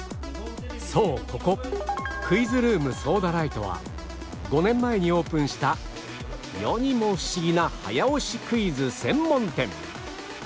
そうここクイズルームソーダライトは５年前にオープンした世にもフシギな早押しクイズ専門店